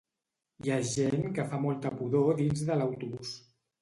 Hi ha gent que fa molta pudor dins de l'autobús